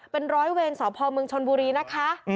เป็นร้อยเวรสอบภอมึงชนบุรีนะคะ